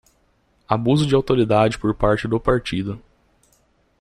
Abuso de autoridade por parte do partido.